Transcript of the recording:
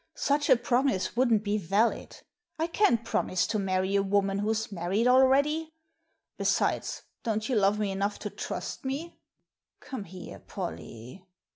Such a promise wouldn't be valid. I can't promise to many a woman who's married already. Besides, don't you love me enough to trust me? Come here, Polly."